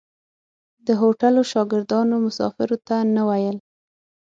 د هوټلو شاګردانو مسافرو ته نه ویل.